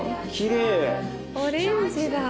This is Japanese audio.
オレンジだ。